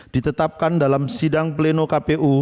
ditetapkan dalam sidang pleno kpu